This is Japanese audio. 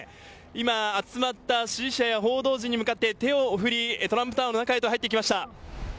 今、集まった支持者や報道陣に向かって手を振り、トランプタワーの中へと入っていきました。